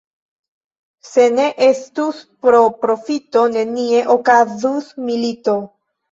Se ne estus pro profito, nenie okazus milito.